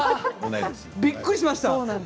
びっくりしました。